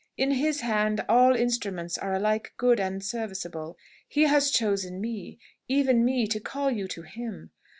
In His hand all instruments are alike good and serviceable. He has chosen me, even me, to call you to Him.